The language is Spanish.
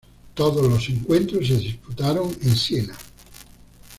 Todos los encuentros se disputaron en Siena.